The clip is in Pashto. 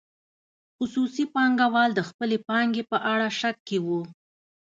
خصوصي پانګوال د خپلې پانګې په اړه شک کې وو.